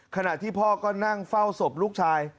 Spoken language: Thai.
ขณะที่พ่อก็นั่งเฝ้าศพลูกชาย